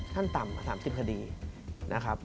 ขั้นต่ำ๓๐คดีนะครับ